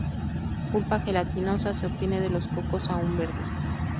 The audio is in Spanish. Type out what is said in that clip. Pulpa gelatinosa: se obtiene de los cocos aún verdes.